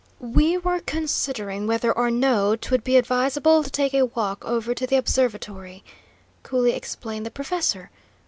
"We were considering whether or no 'twould be advisable to take a walk over to the observatory," coolly explained the professor.